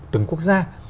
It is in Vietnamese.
từng quốc gia